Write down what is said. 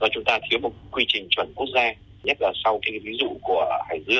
chúng ta thiếu một quy trình chuẩn quốc gia